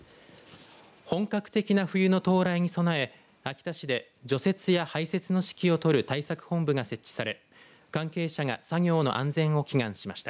本格的な冬の到来に備え秋田市で除雪や排雪の指揮を執る対策本部が設置され関係者が作業の安全を祈願しました。